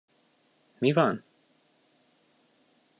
Mi van?